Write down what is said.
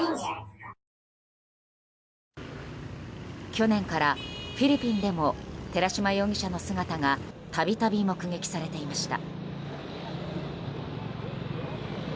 去年からフィリピンでも寺島容疑者の姿が度々、目撃されていました。